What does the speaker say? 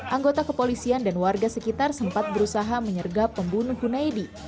anggota kepolisian dan warga sekitar sempat berusaha menyergap pembunuh hunaidi